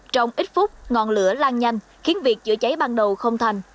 trong ít phút ngọn lửa lan nhanh khiến việc chữa cháy ban đầu không thành